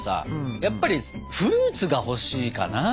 やっぱりフルーツが欲しいかな。